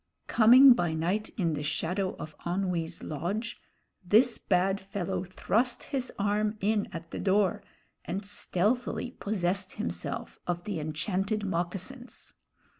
Coming by night in the shadow of Onwee's lodge, this bad fellow thrust his arm in at the door and stealthily possessed himself of the enchanted moccasins.